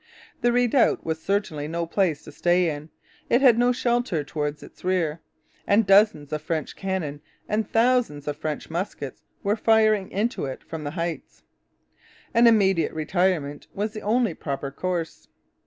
The redoubt was certainly no place to stay in. It had no shelter towards its rear; and dozens of French cannon and thousands of French muskets were firing into it from the heights. An immediate retirement was the only proper course.